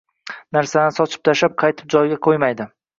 narsalarini sochib tashlab, qaytib joyiga qo‘ymaydi